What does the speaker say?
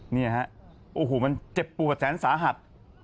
เนี่ยฮะโอ้โหมันเจ็บปวดแสนสาหัส